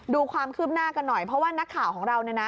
ดูความคืบหน้ากันหน่อยเพราะว่านักข่าวของเราเนี่ยนะ